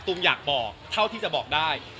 อยากบอกเท่าที่จะบอกได้